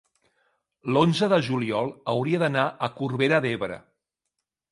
l'onze de juliol hauria d'anar a Corbera d'Ebre.